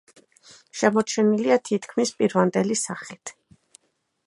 შემორჩენილია თითქმის პირვანდელი სახით.